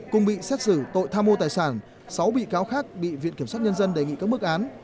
cùng bị xét xử tội tham mô tài sản sáu bị cáo khác bị viện kiểm sát nhân dân đề nghị các mức án